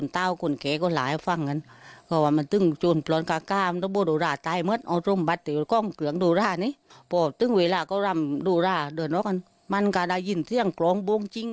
ตั้งเวลาก็รีบรับโนราดูลาราค่ะมันก็ได้ยินเสียงกระป๋องบวงจริง